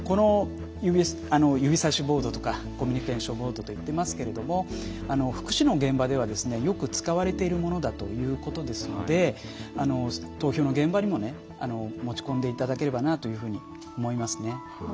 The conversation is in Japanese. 指さしボードとかコミュニケーションボードと言っていますけども福祉の現場ではよく使われているものだということですので投票の現場にも持ち込んでいただければなと思いますね。